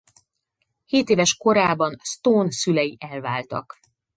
Hétéves korában Stone szülei elváltak.